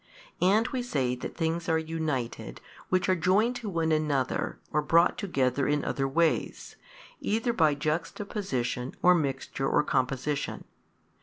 And we say that things are united which are joined to one another or brought together in other ways, either by juxta position or mixture or composition.